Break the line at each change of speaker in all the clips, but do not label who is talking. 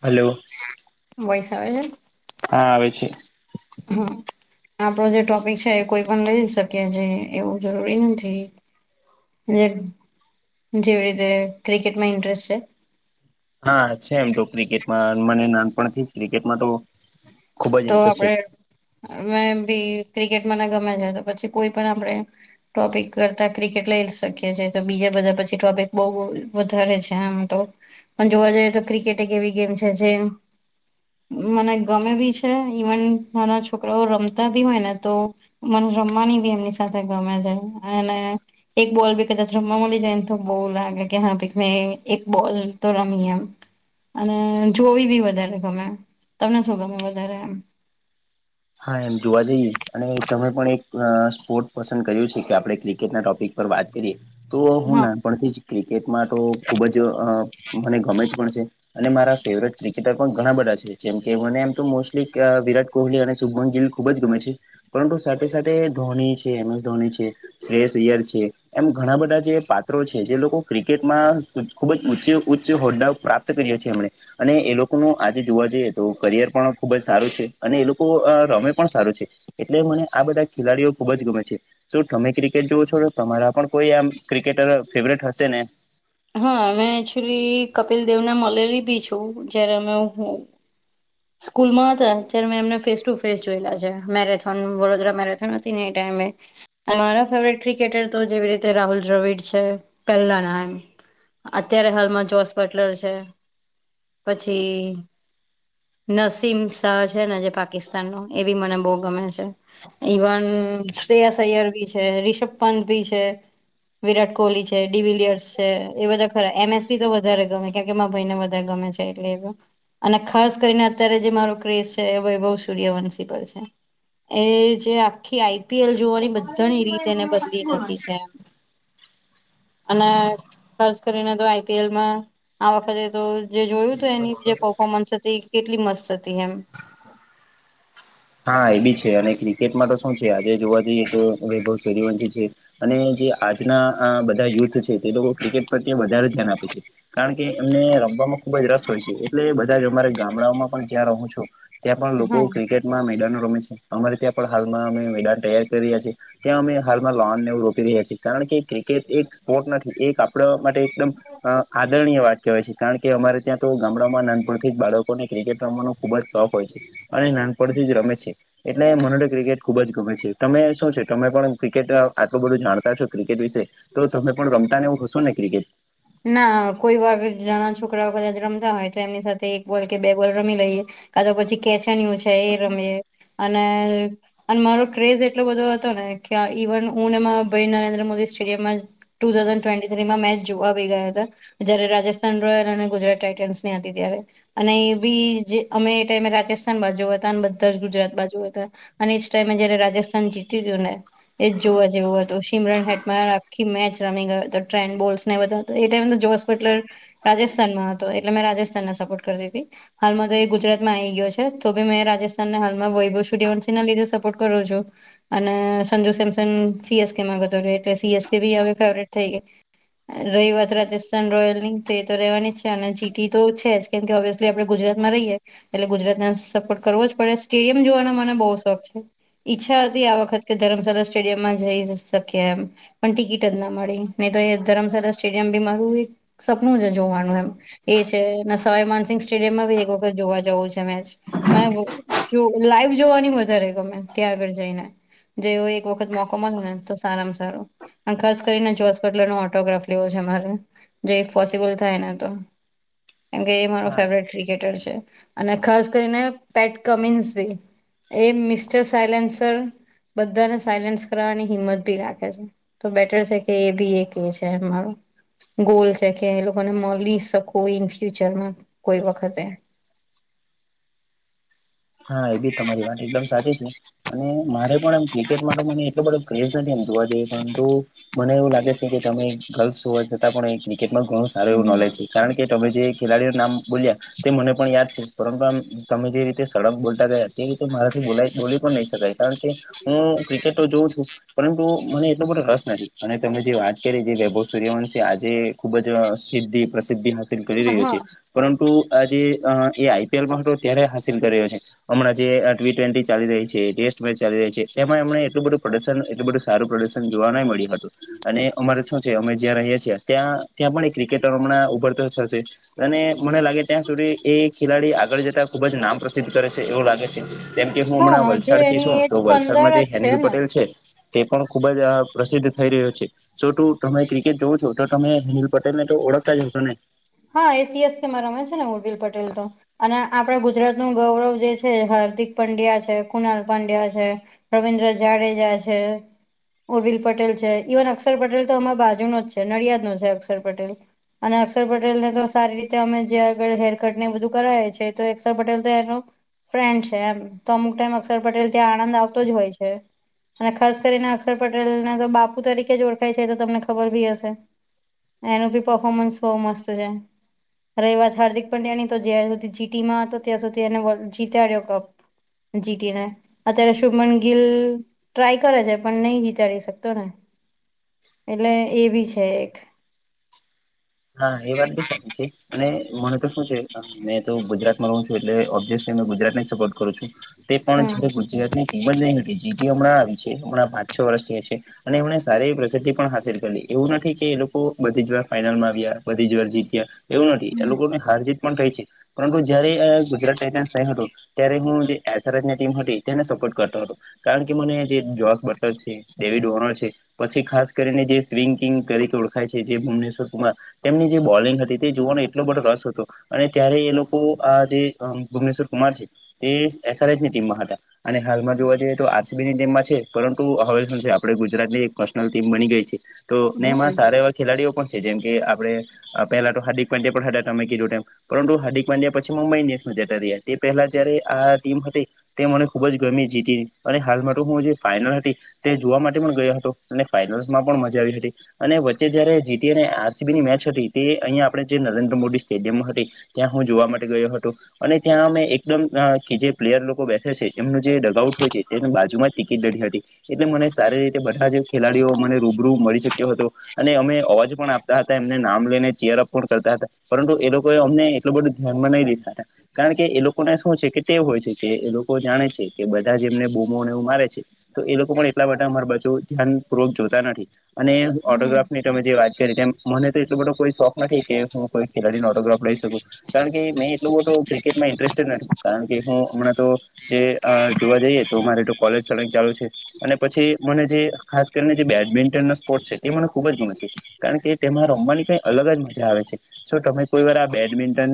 Hello
વૈશ આવે છે
હા આવે છે
હમ આપડો જે ટોપિક છે એ કોઈ પણ લઈ શકીએ છે એવું જરૂરી નથી જેવી રીતે ક્રિકેટમાં ઇન્ટરેસ્ટ છે
હા છે એમ તો ક્રિકેટમાં મને નાનપ ક્રિકેટમાં તો ખુબ જ
તો
ઇન્ટરેસ્ટ છે
આપણેે અ ભી ક્રિકેટમાંને ગમે છે તો પછી કોઈ પણ આપણેે ટોપિક કરતા ક્રિકેટ લઈ શકીએ છીએ તો બીજા બધા પછી ટોપિક બઉ વધારે છે હા તો પણ જોવા જઈએ તો ક્રિકેટ એક એવી ગેમ છે જે મને ગમે બી છે ઈવન મારા છોકરાઓ રમતા બી હોય ને તો મન રમવાની બી એમની સાથે ગમે છે અને એક બોલ ભી કતાોલી જ તો બો લાગ કે હા ભી મે એક બોલ તો રમીમ અને જોવી બી વધારે ગમે તમને શું ગમે વધારે એમ
હા એમ જોવા જઈએ અને તમે પણ એક સ્પોર્ટ પસંદ કર્યું છે કે આપણે ક્રિકેટના ટોપિક પર વાત કરીએ તો હું
હા
નાનપણથી જ ક્રિકેટમાં તો ખૂબ જ મને ગમે જ પણ છે અને મારા ફેવરેટ ક્રિકેટર પણ ઘણા બધા છે જેમ કે મને એમ તો મોસ્ટલી વિરાટ કોહલી અને શુમન ગીલ ખુબ જ ગમે છે પરંતુ સાથે સાથે ધોની છે એમ એસ ધોની છે શષ યાર છે એમ ઘણા બધા જે પાત્રો છે જે લોકો ક્રિકેટમાં ખુબ જ ઉચચે ઉચ્ચ હોદ્દાઓ પ્રાપ્ત તી [unintelligible] અને એ લોકો ન આજે જોવા જઈએ તો કરિયર પણ ખુબ જ સારું છે અને એ લોકો કુ અ રમે પણ સારું છે એટલે મને આ બધા ખેલાડીઓ ખુબ જ ગમે છે. શું તમે ક્રિકેટ જોવ છો તમારા પણ કોઈ આમ ક્રિકેટર ફેવરેટ હશે ને.
હા અમે એકચુલી કપિલ દેવ ના મલેરી બી છું જયારે અમે હું સ્કૂલમાં હતા અત્યારે મેં એમને ફેસ ટુ ફેસ જોયેલા છે મેરેથોન વડોદરા મેરેથોન હતી ને એ ટાઈમે. રો ફેવરેટ ક્રિકેટર તો જેવી રીતે રાહુલ દ્રવિડ છે પહેલા ના એમ અત્યારે હાલમાં જોશ પટલર છે પછી નસીમ શાહ છે ને જે પાકિસ્તાન નો એ બી મને બહુ ગમે છે. ઇવન શ્રે્રેયા સૈયર ભી છે રિષભ પંત ભી છે. વિરાટ કોહલી છે ડી વિલિયર્સ છે એ બધા ખરા એમએસી તો વધારે ગમે કે કે મા ભાઈને વધારે ગમે છે. અને ખાસ કરીને અત્યારે જે મારો ક્રેસ છે હવે બહુ સૂર્યવંશી પર છે. એ જે આખી આઈ પી એલ જોવાની બ ઘણી રીતે એને બદલી નાખી છે અને ખાસ કરીને તો આઈ પી એલમાં આ વખતે તો જે જોયું હતું એની જે પર્ફોમન્સ હતી કેટલી મસ્ત હતી એમ
હા એ બી છે અને ક્રિકેટમાં તો શું છે આજે જોવા જઈએ તો વૈભવ સર્યવંશી છે. અને જે આજના બધા યુથ છે તે લોકો ક્રિકેટ પ્રત વધારે ધ્યાન આપે છે. કારણ કે એમને રમવામાં ખુબ જ રસ હોય છે એટલે બધા જ અમારે ગામડામાં પણ જ્યાં રહો છો ત્યાં પણ લોકો
હા
ક્રિકેટ મેદા રમે છે અમારે ત્યાં પણ હાલમાં અમે મેદાન તૈયાર કરી રહ્યા છીએ ત્યાં અમે હાલમાં લોન ને એવ રોપ રહ્યા છીએ કારણ કે કે એક સ્પોર્ટ નથી એક આપણા માટે એકદમ આદરણીય વાત કહેવાય છે. કારણ કે અમારે ત્યાં તો ગામડામાં નાનપણથી બાળકોને ક્રિકેટ રમવાનો ખુબ જ શોખ હોય છે અને નાન છી રમે છે. એટલે મને તો ક્રિકેટ ખુબ જ ગમે છે તમે શું છે તમે પણ ક્રિકેટ આટલું બધું જાણતા છો ક્રિકેટ વિશે તો તમે પણ રમતા નેવું હશો ને ક્રિકેટ
ના કોઈ વાગ નાના છોકરાઓ કદાચ રમતા હોય તો એમની સાથે એક બોલ કે બે બોલ રમી લઈએ કા તો પછી કેચણીય છે એ રમીએ અને અને મારો ક્રેઝ એટલો બધો હતો ને કે ઇવન હું ભાઈ નરેન્દ્ર મોદી સ્ટેડિયમમાં ટુ થાઝન્ડ ટ્વેન્ટી થ્રીમાં મેચ જોવા આવી ગયા હતા જયારે રાજસ્થાન રોયલ અને ગુજરાત ટાઇટન્સ ની હતી ત્યારે અને એ બી જે અમે એ ટાઈમે રાજસ્થાન બાજુ હતા અને બધા જ ગુજરાત બાજુ હતા અને જ ટાઈમ જેને રાજસ્થાન જીતી જન એ જ જોવા જેવું હતું સિમરન હેટમાં આખી મેચ રમી ગયો હતો ટ્રેન બોલ્સ ને બધા એ ટાઈમ જો હોસ્પિટલર રાજસ્થાનમાં હતો એટલે મેં રાજસ્થાનને સપોર્ટ કરીતી હતી હાલમાં તો એ ગુજરાતમાં આવી ગયો છે તો ભી મેં રાજસ્થાનને હાલમાં વૈભવેવ ના લીધે સપોર્ટ કરું છું. અને સંજુ સેમસન સી એસ કેમાં ગતો એટલે સી એસ કે બી હવે ફેવરેટ થઈ ગઈ રહી વાત રાજસ્થાન રોયલ ની તો એ તો ર રહેવાની જ છે અને જીટી તો છે જ કેમ કે ઓબ્વિયસલી આપણે ગુજરાત માં રહીએ એટલે ગુજરાત ને સપોર્ટ કરવો જ પડે સ્ટેડિયમ જોવાનો મને બહુ શોખ છે. ઈચ્છા હતી આ વખત કે ધર્મશાલા સ્ટેડિયમમાં જઈ શકી એમ પણ ટિકિટ જ ના મળી નહી તો એ ધરમશાળ સ્ટેડિયમ બી મારું એક સપનું જ જોવાનું એમ એ છે સવાયમાનસિંહ સ્ટેડિયમમાં બી એક વખત જોવા જવું છે મેચ મને જો લાઈવ જોવાની વધારે ગમે ત્યાં આગળ જઈને જે એવો એક વખત મોકો મળે ને તો સારામાં સારું ખાસ કરીને જોસ પટલ નો ઓટોગ્રાફ રે જે ઇફ પોસિબલ થાય ને તો કેમકે એ મારો
હા
ફેવરેટ ક્રિકેટર છે અને ખાસ કરીને પેટ કમિન્સ ભી એ મિસ્ટર સાયલેન્સર બધાને સાયલેન્સ કરવાની હિંમત ભી રાખે છે. તો બેટર છે કે એ બી એક એ છે અમારો ગોલ છે કે એ લોકોને મળી શકો ઈન ફ્યુચરમાં કોઈ વખતે
હા એ બી તમારી વાત એકદમ સાચી છે અને મારે પણ એમ ક્રિકેટ માટે મને એટલો બધો ક્રેઝ નથી એ જોવાઈએ પરંતુ મને એવું લાગે છે કે તમે ગર્લ્સ હોવા છતાં પણ ક્રિકેટમાં ઘણું સારું એવ નોલેજ છે કારણ કે તમે જે ખેલાડીઓ નામ બોલ્યા તે મને પણ યાદ છે પરંતુ આમ તમે જે સળમ બોલતા ગયા અ્યારે મારાથી બોલા બોલી પણ નહી શકાય કારણ કે હું ક્રિકેટ તો જોઉં છું પરંતુ મને એટલો બધો રસ નથી અને તમે જે વાત કરી જે વૈભવ સૂર્યવંશ આજે ખુબ જ સિધી પ્રસિદ્ધિ હાસિલ કરી રહ્યો
હા
છે પરંતુ આજે એ આઈપીએલમાં હતો ત્યારે છે હમણાં જે ટવે ચાલી રહી છે ટેસ્ટ મે ચાલી રહી છે એમાંમ એટલું બધું પ્રદર્શન એટલ બધું સારું પ્રદર્શન જોવા ન મળ્યું હતું અને અમારે શું છે અમે જ્યાં રહીએ છીએ ત્યાં ત્યાં પણ ક્રિકેટરો હમણાં ઉભર તો હશે અને મને લાગે ત્યાં સુધી એ ખેલાડી આગળ જતા ખુબ જ નામ પ્રસિદ્ધ કરે છે એવું લાગે છે કેમ કે હું હમણાં
હા હજુ
વલસાડ થી
એની
છું
એજ
તો
પંદર
વલસાડમાં જે
જ છે
હેનિલ
ને
પટેલ છે તે પણ ખુબ જ પ્રસિદ્ધ થઈ રહ્યો છે તું તમે ક્રિકેટ જોવ છો તો તમે હિનિલ પટેલ ને તો ઓળખતા જ હશો ને
હા એસીએસ કેમાં રમે છે ને ઉર્બિલ પટેલ તો અને આપડે ગુજરાત નું ગૌરવ જે છે હાર્દિક પંડ્યા છે કુનાલ પંડ્યા છે રવિન્દ્ર જાડેજા છે ઉર્વિલ પટેલ છે ઇવન અક્ષર પટેલ તો અમા બાજુ ન જ છે નડિયાદ નો છે અક્ષર પટેલ અને અક્ષર પટેલ ને તો સારી રીતે અમે જં આગળ હેરકટ ને બધું કરાવયા છે તો અક્ષર પટેલ તો એનો ફ્રેન્ડ છે એમ તો અમુક ટાઈમ અક્ષર પટેલ ત્યાં આનંદ આવતો જ હોય છે અને ખાસ કરીને અક્ષર પટેલને તો બાપુ તરીકે જો ઓળખાય છે તો તમને ખબર ભી હશે એનું બી પફોમન્સ બહ મસ્ત છે ર એ વાત હાર્દિક પંડ્યા ની તો જ્યાં સુધી જીટી માં હતો ત્યાં સુધી એને વર્ડ જીતાડ્યો કપ જીટીી ના આ્યારેશભ મ ગિલ ટ્રાય કરે છે પણ નહી જીતાડી શકતો ને એટલે એ બી છે એક
હા એ વાત બી સાચી છે અને મને તો શું છે મેં તો ગુજરાત છ એટલેબ્ ગુજરાત સપોર્ટ કરું છું તે પણ
હમ
જયારે ગુજરાત મ જ નહી જીટી હમણાં આવી છે હણાં પાંચ છો વર્ષથી હ છે અને એમને સારી પ્રસિદ્ધિ પણ હાસિલ કરીલી એવું નથી કે એ લોકો બધી જ વાર ફાાઈનલમાં બધી જ વાર જીત્યા એવું નથી એ લોકો ને હાર જીત પણ થાય છે પરંતુ જયારે ગુજરાત ટસ નહી હતું ત્યારે હું જે ટીમ હતી તેને સપોર્ટ કરતો હતો કારણ કે મને જે જોસ બટલર છે ડેવિડ ઓનર છે પછી ખાસ કરીને જે સ્વિંગ કિંગ તરીકે ઓળખાય છે જે ભુવનેશ્વર કુમાર તેમની જે બોલિંગ હતી તે જોવાનો એટલો બધો રસ હતો અને ત્યારે એ લોકો આ જે ભુવનેશ્વર કુમાર છે તે એસઆરસ ની ટીમમાં હતા અને હાલમાં જોવા આરસીબી ની ટીમ છે પરંતુ હવે શું છે આપે ગુજરાત ની એકશનલ ટીમ બની ગઈ છે તો ને એમાં સારા એવા ખેલાડીઓ પણ છે જેમ કે આપણેે પહેલા તો હાર્દિક પંડ્યા હતા તમે કીધું પરંતુ હાર્દિક પાંડ્યા પછી મુંબઈ ઇન્ડિયન્સમાં જ રહ્યા તે પહેલા જયારે આ ટીમ હતી તે મને ખુબ જ ગમેી જીતી અને હાલમાં હું જે ફાઈનલ હતી તે જોવા માટે પણ ગયો હતો અને ફાઈનલસમાં પણ મજા આવી હતી અને વચ્ચે જયારે જીટીને ની મેચ હતી તે અહીંયા આપણે જે નરેન્દ્ર મોદી સ્ટેડિયમ હતી ત્યાં હું જોવા માટે ગયો હતો અને ત્યાં અમે એકદમ કે જે પ્લેયર લોકો બેસે છે એમનું જે ડગઆઉટ હોય છે. એને બાજુમાં જ ટિકિટ નથી હતી એટલે મને સારી રીતે બધા જ ખેલાડીઓ મને રૂબરૂ મળી શક્યો હતો અને અમે અવાજ પણ આપ હતા એમને નામ લઈને ચેયરઅપ પણ કરતા હતા પરંતુ એ લોકો અમને એટલું બધું ધ્યાનમાં નહી લીધા હતા કારણ કે એ લોકોને શું છે કે તે હોય છે કે એ લોકો જાણે છે કે બધા જ એમને બોમોને એવું મારે છે તો એ લોકો પણ એટલા બધા માર બાજુ ધ્યાનપૂર્વક જોતા નથી અને ઓટોગ્રાફ ની તમે જે વાત કરી તેમ મને તો એટલો બધો કોઈ શોખ નથી કે હું કોઈ ખેલાડીનો ઓટોગ્રાફ લઈ શકું કારણ કે મેં એટલું બું ક્રિકેટમાં ઇન્ટરેસ્ટડ નથી કારણ કે હું હમણાં તો જે જોવા જઈએ તો અમારે કોલેજળક ચાલુ છે અને પછી મને જે ખાસ કરીને જે બેડમિન્ટનનો સ્પોર્ટ છે તે મને ખુબ જ ગમે છે કારણ કે તેમાં રમવાની કઈ અલગ જ મજા આવે છે. શ તમે કોઈ વાર આ બેડમિન્ટન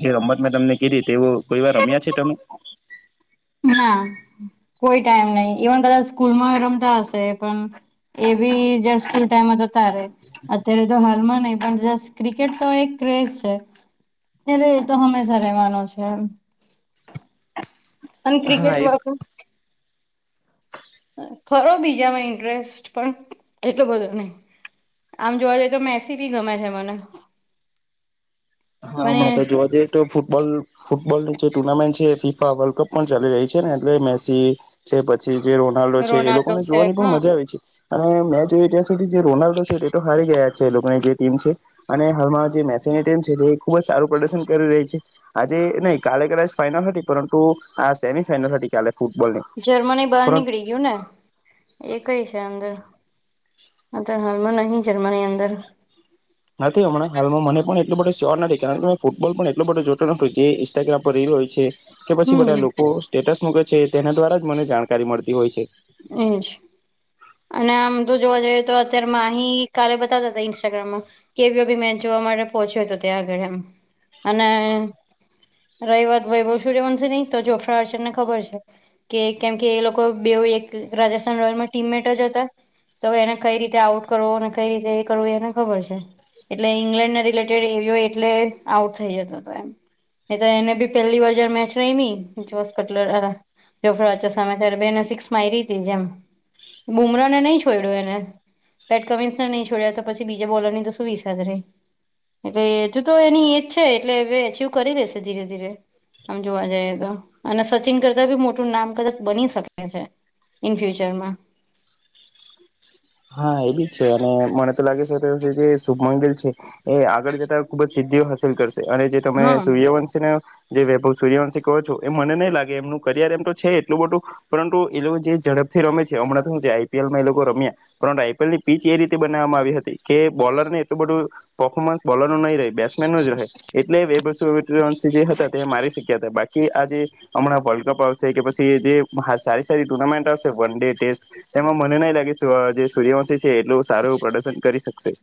જે રમત મેં તમને કરી તે કોઈ વાર રમ્યા છે તમે
હા કોઈ ટાઈમ નહી ઇવન બધા સ્કૂલમાં રમતા હશે પણ એ બી જૂલ ટ તો તારે અત્યારે તો હાલ માં ન પણસ ક્રિકેટ તો એક ક્રેઝ છે ત્યારે એ તો હંમેશા રહેેવાનો છે એમ અને
હા
ક્રિકેટ
એ
વગર ખરો બીજામાં ઇન્ટરેસ્ટ પણ એટલો બધો નહી આમ જોવા જઈએ તો મેસી ભી ગમે છે મને
હા હમણાં તો
મને
જોવા જઈએ ફૂટબોલ ફૂટબોલની જે ટુર્નામેન્ટ છે ફીફા વર્લ્ડ કપ પણ ચાલી રહી છે ને એટલે મેસી છે પછી જે રોનાલ્ડો છે એ
રોનાલ્ડો
લોકોને
છે
જોવાની પણ
હા
મજા આવે છે અને મેચ જો ત્યાં સુધી જે રોનાલ્ડો છે એ તો હારી ગયા છે એ લોકોની જે ટીમ છે. અને હાલમાં જે મેનીમ છે તે ખુબ જ સારું પ્રદર્શન કરી રહી છે આજે ન કાલે કલે ફાઈનલ સા પરંતુ આ સેમી ફાઈનલ સા કાલે ફૂટબોલની
જર્મની બહાર
પરંતુ
નીકળી ગયું ને એ કઈ છે અંદર અત હાલમાં નહીં જર્મની અંદર
નથી હમણાં હાલમાં મને પણ એટલો બો સ્યોર નથી કારણ કે ફૂટબોલ પણ એટલો બધો જોતો નથી જે ઇન્સ્ટાગ્રામ પર ર રહ્યોય છે. કે પછી
હમ
બધા લોકો સ્ટેટસ મૂકે છે તેના દ્વારા જ મને જાણકારી મળતી હોય છે.
હમ અને આમ તો જોવા જઈએ તો અત્યારે મા અહી કાલે બતાવતા હતા ઇન્સ્ટાગ્રામમાં કેવી બી મેન જોવા માટે પહોંચ્યો તો ત્યાં આગળ એમ અને રહી વાત વય બલ સૂર્યવંશે નહી તો જોખા હ છે એમને ખબર છે. કે કેમ કે એ લોકો બે એક રાજસ્થાન રોયલમાં ટીમમે જ હતા તો એને કઈ રીતે આઉટ કરવો અને કઈ રીતે એ કરવું એને ખબર છે. એટલે ઈંગ્લેન્ડને રિલેટેડ એ એટલે આઉટ થઇ જતો હતો એમ એ તો એને બી પેલી વાર જ મેચ રહી જો કટલર જોફ ઓચ સમય ત્યારે બેને સિક્સ માં આવી રહી હતી જેમ બુમરાહને નહી છોડ્યો એને પેટ કવિન્સને નહીં છડ તો પછી બીજા બોલરનીને તોું વીસસાા ર એટલે હજુ તો એની એજ છે એટલે હ અચવ કરી લેશે ધીરે ધીરે આમ જોવા જઈએ તો અને સચિન કરતા બી મોટું નામ કદાચ બની શકે છે. ઇન ફ્યુચરમાં
હા એ બી છે અને મને તો લાગે છે. શુભમંગિલ છે એ આગળ જતા ખુબ જ સિદ્ધિઓ હાસિલ કરશે અને જે તમે
હા
સૂર્યવ જે વૈભવ સૂર્યવંશ કહો છો એ મને નહીં લાગે એમનું કરિયર એમ તો છે એટલું બધું પરંતુ એ લોકો જે ઝડપથી રમે છે હમણાં છે આઈપીએલમાં એ લોકો રમ્યા પરંતુ આઈપીએલ ની પીચ એ રીતે બનાવવામાં આવી હતી કે બોલરને એટલું બધું પર્ફોર્મન્સ બોલર નહીં રહે, બેટ્સમેન ન જ રહે, એટલે બેં જે હતા, તે મારી શક્યા હતા. બાકી કે આજે હમણાં વર્લ્ડ કપ આવશે, કે પછી જે સારી સારી ટુર્નામેન્ટ આવશે, વન-ડે, ટેસ્ટ એમાં મને નહીં લાગે, જે સૂર્યવંશી છે, એટલું સારું પ્રદર્શન કરી શકશે.